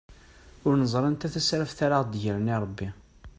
Ur neẓri anta tasraft ara aɣ-d-igren irebbi.